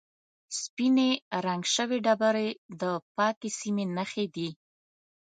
سپینې رنګ شوې ډبرې د پاکې سیمې نښې دي.